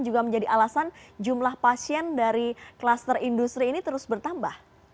juga menjadi alasan jumlah pasien dari kluster industri ini terus bertambah